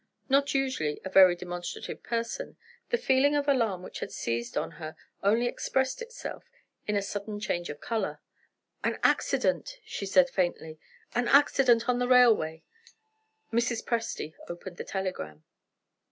Not usually a very demonstrative person, the feeling of alarm which had seized on her only expressed itself in a sudden change of color. "An accident!" she said faintly. "An accident on the railway!" Mrs. Presty opened the telegram.